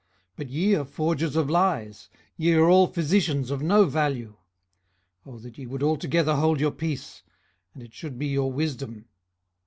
18:013:004 But ye are forgers of lies, ye are all physicians of no value. 18:013:005 O that ye would altogether hold your peace! and it should be your wisdom.